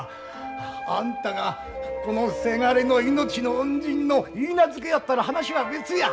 あんたがこのせがれの命の恩人のいいなずけやったら話は別や。